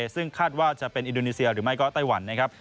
ซึ่งคาดว่าจะเป็นอินโดนีเซียหรือไม่ก็ไต้หวันนะครับ